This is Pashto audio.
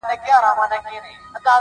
o ډيره مننه مهربان شاعره،